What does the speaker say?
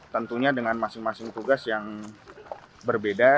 tentunya dengan masing masing tugas yang berbeda